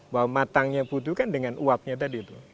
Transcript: bahwa matangnya putu kan dengan uapnya tadi tuh